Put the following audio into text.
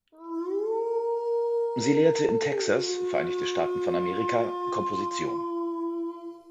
Sie lehrte in Texas, Vereinigte Staaten von Amerika, Komposition.